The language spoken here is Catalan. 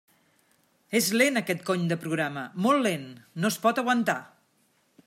És lent aquest cony de programa, molt lent, no es pot aguantar!